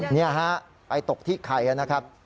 นี่ครับไปตกที่ใครนะครับ